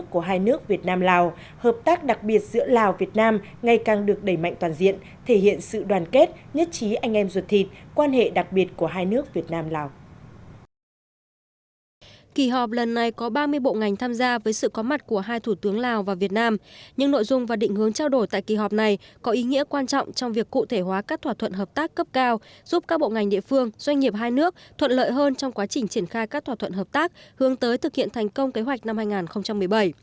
giúp các bộ ngành địa phương doanh nghiệp hai nước thuận lợi hơn trong quá trình triển khai các thỏa thuận hợp tác hướng tới thực hiện thành công kế hoạch năm hai nghìn một mươi bảy